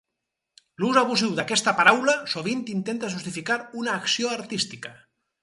L'ús abusiu d'aquesta paraula sovint intenta justificar una acció artística.